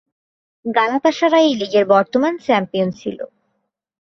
গালাতাসারায় এই লীগের বর্তমান চ্যাম্পিয়ন ছিল।